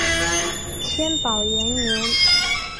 天宝元年。